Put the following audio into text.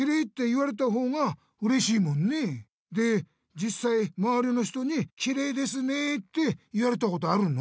じっさいまわりの人にきれいですねって言われたことあるの？